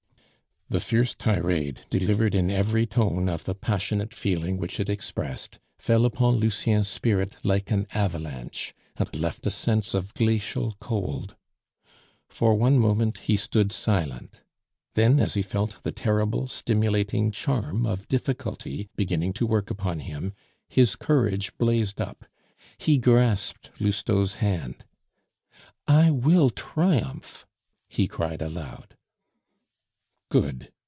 The fierce tirade, delivered in every tone of the passionate feeling which it expressed, fell upon Lucien's spirit like an avalanche, and left a sense of glacial cold. For one moment he stood silent; then, as he felt the terrible stimulating charm of difficulty beginning to work upon him, his courage blazed up. He grasped Lousteau's hand. "I will triumph!" he cried aloud. "Good!"